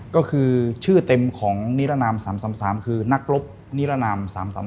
ก็คือชื่อเต็มของนิรนาม๓๓คือนักรบนิรนาม๓๓